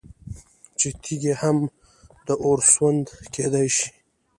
چې تيږي هم د اور سوند كېدى شي